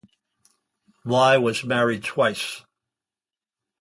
Lye was married twice.